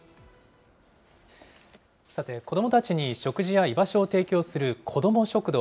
さて子どもたちに食事や居場所を提供する子ども食堂。